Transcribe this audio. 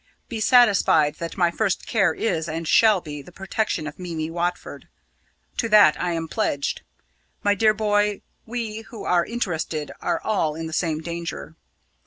Be satisfied that my first care is, and shall be, the protection of Mimi Watford. To that I am pledged; my dear boy, we who are interested are all in the same danger.